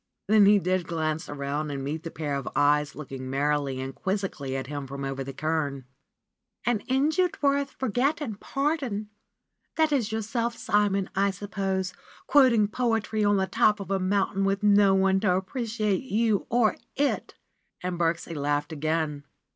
Then he did glance around and met the pair of eyes looking merrily and quizzically at him from over the cairn. "'And injured Worth forget and pardon!' That is yourself, Simon, I suppose, quoting poetry on the top of a mountain with no one to appreciate you or it!" And Birksie laughed again.